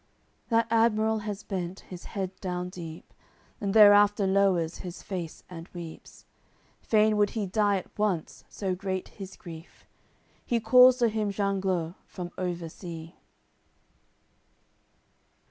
That admiral has bent his head down deep, And thereafter lowers his face and weeps, Fain would he die at once, so great his grief; He calls to him Jangleu from over sea.